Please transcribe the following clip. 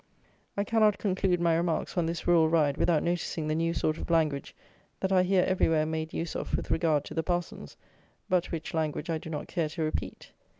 I cannot conclude my remarks on this Rural Ride without noticing the new sort of language that I hear everywhere made use of with regard to the parsons, but which language I do not care to repeat.